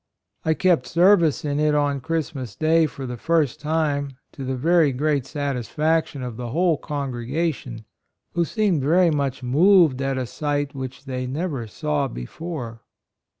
I kept service in it on Christmas day for the first time to the very great satisfaction of the whole congrega tion, who seemed verv much moved at a sight which they never saw before.